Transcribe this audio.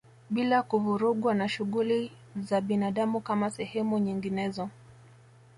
Bila kuvurugwa na shughuli za binadamu kama sehemu nyinginezo